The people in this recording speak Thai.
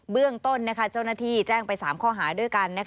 เรื่องต้นเจ้าหน้าที่แจ้งไป๓ข้อหาด้วยกัน